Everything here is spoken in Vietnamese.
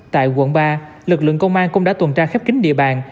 tại quận ba lực lượng công an cũng đã tuần tra khép kính địa bàn